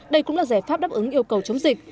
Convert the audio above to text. đây cũng là giải pháp đáp ứng yêu cầu chống dịch